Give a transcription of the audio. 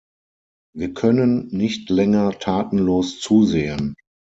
Wir können nicht länger tatenlos zusehen.